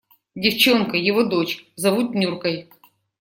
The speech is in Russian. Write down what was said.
Девчонка – его дочь, зовут Нюркой.